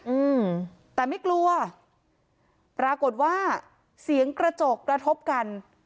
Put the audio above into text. อืมแต่ไม่กลัวปรากฏว่าเสียงกระจกกระทบกัน